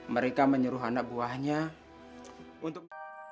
mereka menyuruh anak buahnya untuk